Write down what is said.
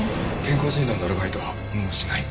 健康診断のアルバイトはもうしない。